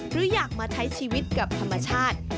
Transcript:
หรืออยากมาใช้ชีวิตกับธรรมชาติ